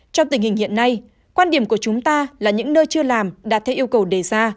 trong tình hình hiện nay quan điểm của chúng ta là những nơi chưa làm đạt theo yêu cầu đề ra